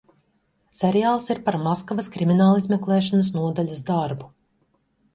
Seriāls ir par Maskavas kriminālizmeklēšanas nodaļas darbu.